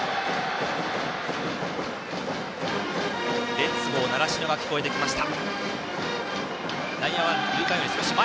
「レッツゴー習志野」が聴こえてきました。